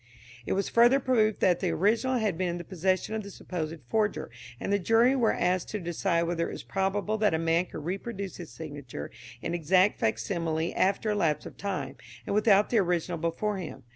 It was further proved that the original had been in the possession of the supposed forger, and the jury were asked to decide whether it was probable that a man could reproduce his signature in exact facsimile after a lapse of time, and without the original before him.